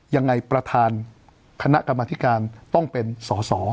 ยังไงประธานคณะกรรมธิการต้องเป็นสอสอ